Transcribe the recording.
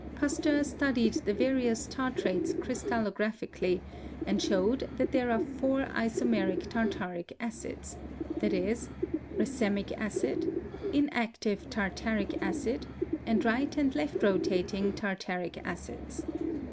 Pasteur studied the various tartrates crystal lographically, and showed that there are four isomeric tar taric acids, viz. : racemic acid, inactive tartaric acid, and right and left rotating tartaric acids.